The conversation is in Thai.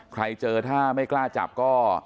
ใครเจอถ้าไม่กล้าจับก็